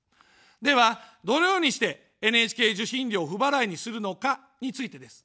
では、どのようにしてＮＨＫ受信料を不払いにするのかについてです。